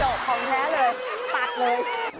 กของแท้เลยตัดเลย